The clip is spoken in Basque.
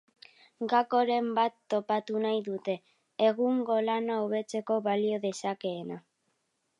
Gakoren bat topatu nahi dute, egungo lana hobetzeko balio dezakeena.